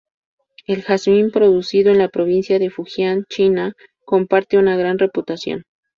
El jazmín producido en la provincia de Fujian, China comparte una gran reputación.